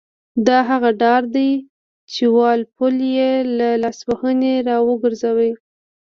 دا هغه ډار دی چې وال پول یې له لاسوهنې را وګرځاوه.